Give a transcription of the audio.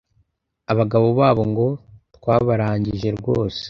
Abagabo babo ngo twabarangije rwose